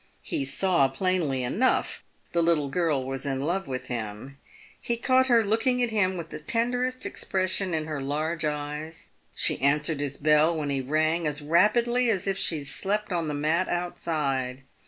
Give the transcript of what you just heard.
He saw plainly enough the little girl was in love with him. He caught her looking at him with the tenderest expression in her large eyes. She answered his bell when he rang as rapidly as if she slept on the mat outside.